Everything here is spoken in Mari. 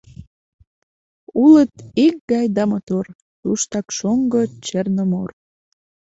Улыт икгай да мотор, Туштак шоҥго Черномор